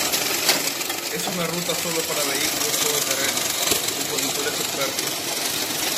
Es una ruta solo para vehículos todoterreno y con conductores expertos.